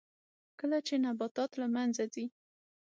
کله چې نباتات له منځه ځي